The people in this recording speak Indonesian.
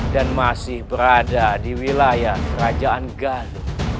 dan masih berada di wilayah kerajaan galuh